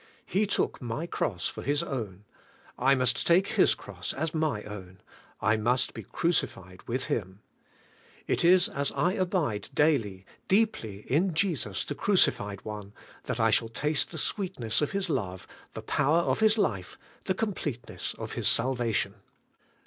He took my cross for His own; I must take His Cross as my own; I must be crucified with Him. It is as I abide daily, deeply in Jesus the Crucified One, that I shall taste the sweet THE CRUCIFIED ONE. 91 ness of His love, the power of His life, the complete ness of His salvation.